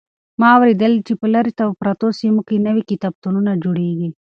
ما اورېدلي دي چې په لرې پرتو سیمو کې نوي کتابتونونه جوړېږي.